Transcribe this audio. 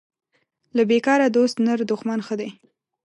له بیکاره دوست نر دښمن ښه دی